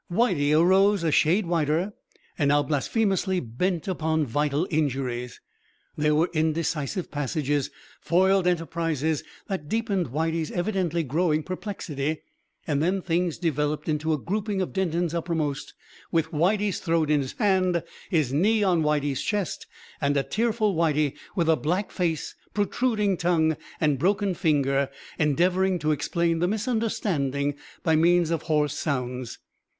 Whitey arose a shade whiter, and now blasphemously bent upon vital injuries. There were indecisive passages, foiled enterprises that deepened Whitey's evidently growing perplexity; and then things developed into a grouping of Denton uppermost with Whitey's throat in his hand, his knee on Whitey's chest, and a tearful Whitey with a black face, protruding tongue and broken finger endeavouring to explain the misunderstanding by means of hoarse sounds.